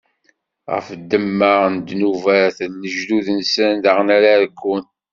Ɣef ddemma n ddnubat n lejdud-nsen daɣen ara rkun.